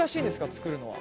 作るのは。